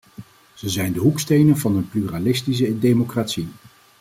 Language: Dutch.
Ze zijn de hoekstenen van een pluralistische democratie.